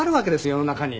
世の中に。